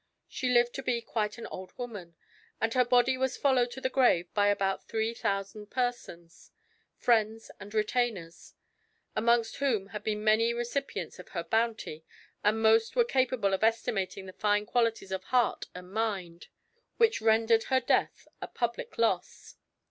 She lived to be quite an old woman, and her body was followed to the grave by about three thousand persons, friends and retainers, amongst whom many had been recipients of her bounty, and most were capable of estimating the fine qualities of heart and mind which rendered her death a public loss.